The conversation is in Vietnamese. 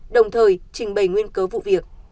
đồng thời trình bày nguyên cớ vụ việc